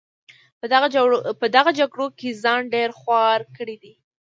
په دغه جګړو کې ځان ډېر خوار کړی دی.